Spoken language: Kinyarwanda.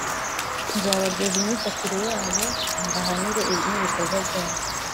nzabaryoza imyifatire yabo, mbahanire n’ibikorwa byabo.